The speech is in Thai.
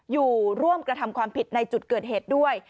อยู่ร่วมกระทำความผิดในจุดเกิดเหตุด้วย